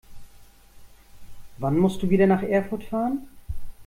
Wann musst du wieder nach Erfurt fahren?